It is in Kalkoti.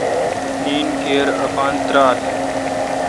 نین کیر اپان تیرال۔